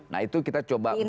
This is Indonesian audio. nah itu kita coba